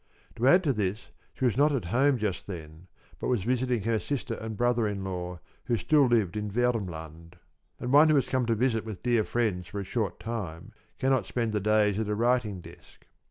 To add to this, she was not at home just then, but was visiting her sister and brother in law, who still lived in Vermland. And one who has come to visit with dear friends for a short time cannot spend the days at a writing desk.